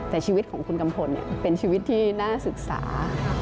แต่ชีวิตของคุณกัมพลเป็นชีวิตที่น่าศึกษา